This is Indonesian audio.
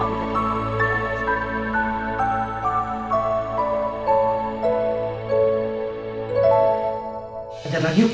terima kasih banyak banyak